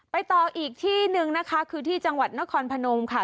ต่ออีกที่หนึ่งนะคะคือที่จังหวัดนครพนมค่ะ